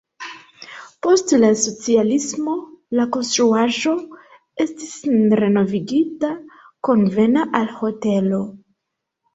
Post la socialismo la konstruaĵo estis renovigita konvena al hotelo.